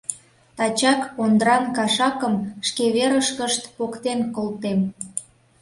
— Тачак Ондран кашакым шке верышкышт поктен колтем!